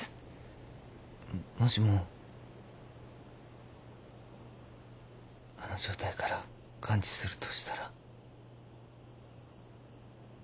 もしもあの状態から完治するとしたら。